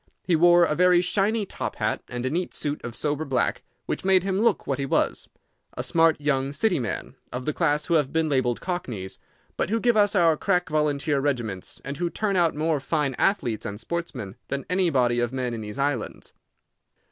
He wore a very shiny top hat and a neat suit of sober black, which made him look what he was—a smart young City man, of the class who have been labeled cockneys, but who give us our crack volunteer regiments, and who turn out more fine athletes and sportsmen than any body of men in these islands.